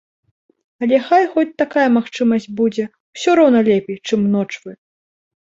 Але хай хоць такая магчымасць будзе, усё роўна лепей, чым ночвы.